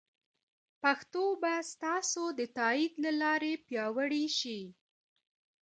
پښتو به ستاسو د تایید له لارې پیاوړې شي.